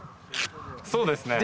そうですね